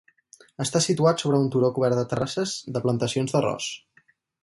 Està situat sobre un turó cobert de terrasses de plantacions d'arròs.